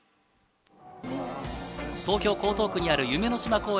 東京・江東区にある夢の島公園